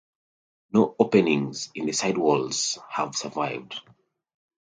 No openings in the side walls have survived.